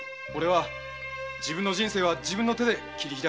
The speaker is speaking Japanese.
自分の人生は自分の手で切り開きたかった。